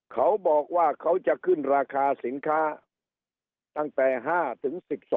เขาบอกว่าเขาจะขึ้นราคาสินค้าตั้งแต่๕ถึง๑๒